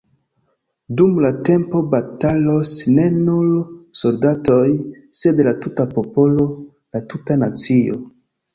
Dum la tempo batalos ne nur soldatoj, sed la tuta popolo, la tuta nacio.